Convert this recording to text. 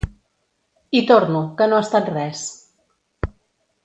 Hi torno, que no ha estat res.